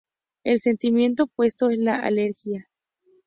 El sentimiento opuesto es la alegría.